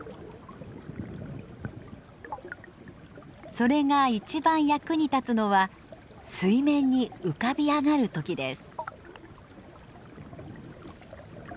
それが一番役に立つのは水面に浮かび上がる時です。